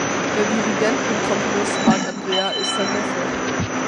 Der Dirigent und Komponist Marc Andreae ist sein Neffe.